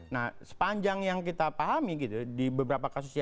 nah sepanjang yang kita pahami gitu di beberapa kasus yang